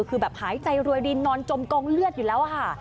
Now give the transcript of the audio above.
คือแบบหายใจรวยรินนอนจมกองเลือดอยู่แล้วค่ะ